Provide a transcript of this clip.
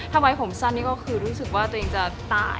ทำไมผมสั้นนี่ก็คือรู้สึกว่าตัวเองจะตาย